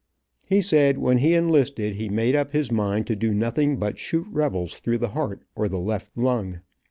He said when he enlisted he made up his mind to do nothing but shoot rebels through the heart or the left lung.